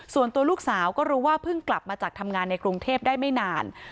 ส่วนตัวลูกสาวก็รู้ว่าเพิ่งกลับมาจากทำงานในกรุงเทพได้ไม่นาน